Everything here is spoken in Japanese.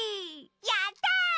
やった！